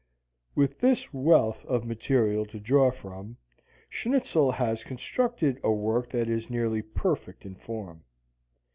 With this wealth of material to draw from, Schnitzel has constructed a work that is nearly perfect in form.